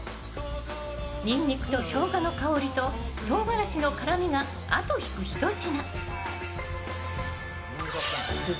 にんにくとしょうがの香りととうがらしの辛みが後引くひと品。